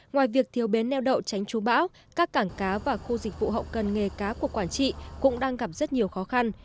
ngoài việc thiếu bến neo đậu tránh chú bão các cảng cá và khu dịch vụ hậu cần nghề cá của quảng trị cũng đang gặp rất nhiều khó khăn